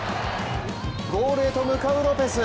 ゴールへと向かうロペス！